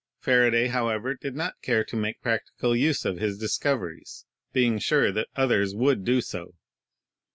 Faraday, how ever, did not care to make practical use of his discoveries, being sure that others would do so.